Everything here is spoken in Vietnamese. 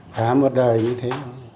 thả một đời như thế